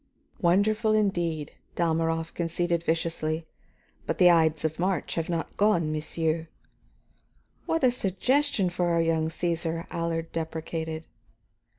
"Wonderful, indeed," Dalmorov conceded viciously. "But the ides of March have not gone, monsieur." "What a suggestion for our young Cæsar!" Allard deprecated.